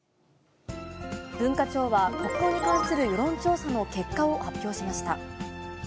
文化庁は国語に関する世論調査の結果を発表しました。